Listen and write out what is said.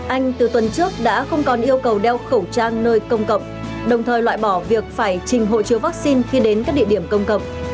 anh từ tuần trước đã không còn yêu cầu đeo khẩu trang nơi công cộng đồng thời loại bỏ việc phải trình hộ chiếu vaccine khi đến các địa điểm công cộng